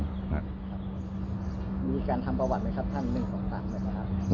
มีการทำประวัติไหมครับท่านหนึ่งสองครั้งนะครับ